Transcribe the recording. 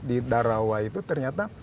di darawai itu ternyata